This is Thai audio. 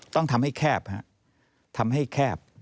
ต้องทำให้แคบทำให้แคบ